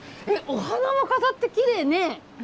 お花を飾ってきれいねぇ。